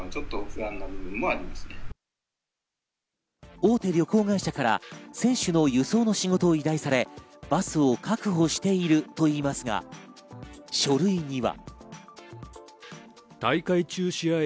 大手旅行会社から選手の輸送の仕事を依頼され、バスを確保しているといいますが、書類には。